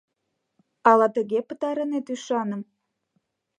Ала тыге пытарынет ӱшаным?